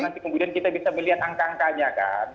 di survei itu nanti kemudian kita bisa melihat angka angkanya kan